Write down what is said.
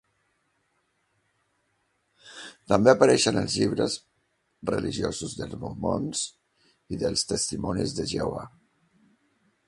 També apareixen els llibres religiosos dels mormons i dels testimonis de Jehovà.